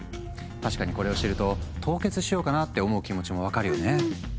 確かにこれを知ると凍結しようかなって思う気持ちも分かるよね。